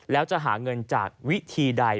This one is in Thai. แล้วจะหาเงินจากวิธีใด